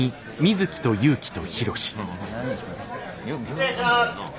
失礼します！